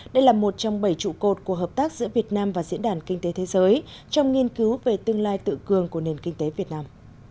đây là một trong bảy trụ cột của hợp tác giữa việt nam và diễn đàn kinh tế thế giới trong nghiên cứu về tương lai tự cường của nền kinh tế việt nam